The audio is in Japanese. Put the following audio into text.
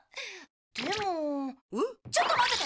でもちょっと待ってて。